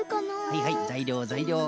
はいはいざいりょうざいりょう。